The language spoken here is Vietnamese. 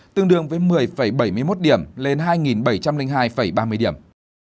tương đương với một mươi bảy mươi một điểm lên hai bảy trăm linh hai ba mươi điểm